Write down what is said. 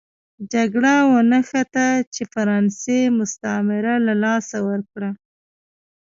جګړه ونښته چې فرانسې مستعمره له لاسه ورکړه.